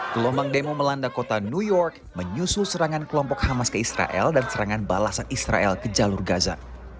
gelombang demo melanda kota new york menyusul serangan kelompok hamas ke israel dan serangan balasan israel ke jalur gaza